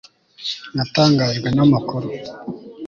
natangajwe namakuru